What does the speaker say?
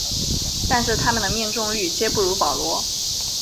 但是它们的命中率皆不如保罗。